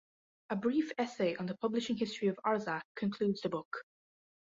A brief essay on the publishing history of "Arzach" concludes the book.